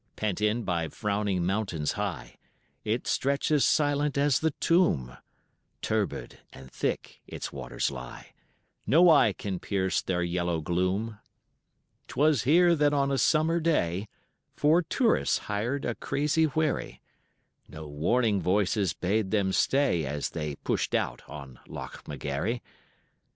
Pent in by frowning mountains high, It stretches silent as the tomb, Turbid and thick its waters lie, No eye can pierce their yellow gloom. 'Twas here that on a summer day Four tourists hired a crazy wherry. No warning voices bade them stay, As they pushed out on Loch McGarry.